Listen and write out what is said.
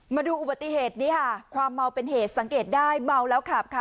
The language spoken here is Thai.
มาดูอุบัติเหตุนี้ค่ะความเมาเป็นเหตุสังเกตได้เมาแล้วขับค่ะ